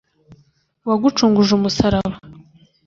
uwagucunguje umusaraba